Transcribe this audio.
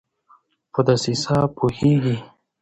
په دسیسه پوهیږي